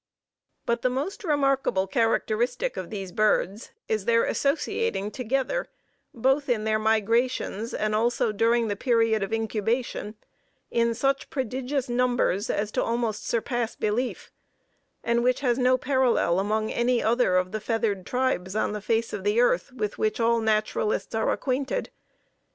But the most remarkable characteristic of these birds is their associating together, both in their migrations, and also during the period of incubation, in such prodigious numbers, as almost to surpass belief; and which has no parallel among any other of the feathered tribes on the face of the earth, with which all naturalists are acquainted.